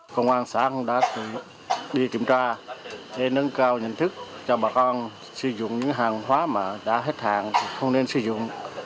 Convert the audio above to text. công an xã cũng đã đi kiểm tra để nâng cao nhận thức cho bà con sử dụng những hàng hóa mà đã hết hàng không nên sử dụng